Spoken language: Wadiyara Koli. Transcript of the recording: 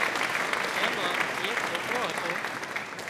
اين مان ايڪ سوڪرو هتو